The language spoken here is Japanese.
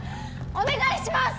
お願いします！